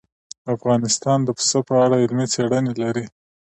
افغانستان د پسه په اړه علمي څېړنې لري.